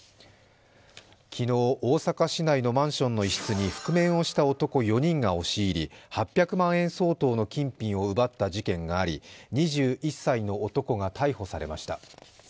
昨日、大阪市内のマンションの一室に覆面をした男４人が押し入り、８００万円相当の金品を奪った事件があり２１歳の男が逮捕されました。